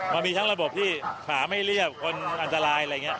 มันมีทั้งระบบที่ขาไม่เรียบคนอันตรายอะไรอย่างนี้